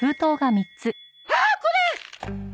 あっこれ！